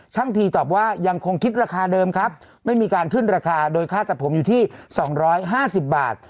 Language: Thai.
ทั้งทีตอบว่ายังคงคิดราคาเดิมครับไม่มีการขึ้นราคาโดยค่าตัดผมอยู่ที่สองร้อยห้าสิบบาท